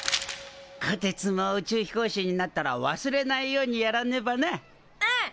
こてつも宇宙飛行士になったら忘れないようにやらねばな。